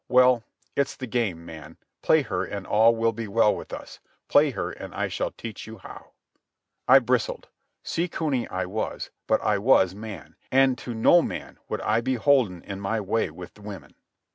Well, it's the game, man. Play her, and all will be well with us. Play her, and I shall teach you how." I bristled. Sea cuny I was, but I was man, and to no man would I be beholden in my way with women.